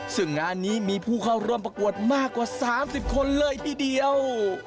ซึ่งงานนี้มีผู้เข้าร่วมประกวดมากกว่า๓๐คนเลยทีเดียว